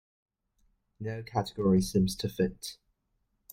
No category seems to fit.